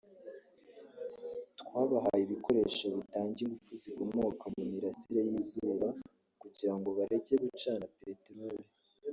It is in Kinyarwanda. twabahaye ibikoresho bitanga ingufu zikomoka mu mirasire y’izuba kugira ngo bareke gucana peteroli